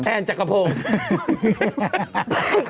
แทนจักรพงค์